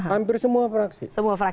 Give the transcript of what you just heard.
hampir semua fraksi